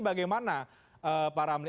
bagaimana para amri